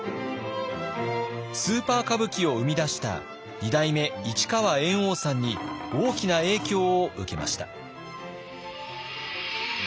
スーパー歌舞伎を生み出した二代目市川猿翁さんに大きな影響を受けました。